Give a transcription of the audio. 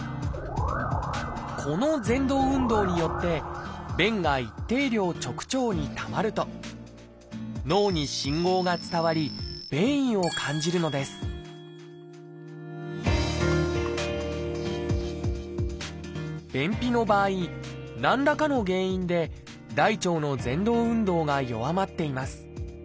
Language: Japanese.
このぜん動運動によって便が一定量直腸にたまると脳に信号が伝わり便意を感じるのです便秘の場合何らかの原因で大腸のぜん動運動が弱まっています。